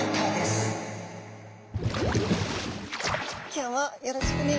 今日もよろしくね！